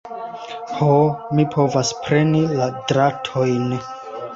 Ho, mi povas preni la dratojn!